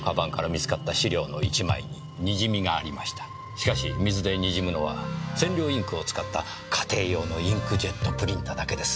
しかし水で滲むのは染料インクを使った家庭用のインクジェットプリンターだけです。